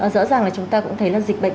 rõ ràng là chúng ta cũng thấy là dịch bệnh